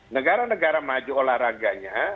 negara negara maju olahraganya